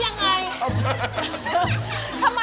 กินกิมเข้าไป